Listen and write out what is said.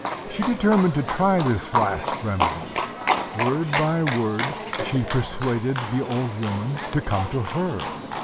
She determined to try this last remedy: word by word she persuaded the old woman to come to her.